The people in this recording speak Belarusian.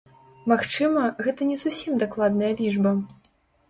Магчыма, гэта не зусім дакладная лічба.